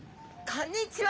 こんにちは！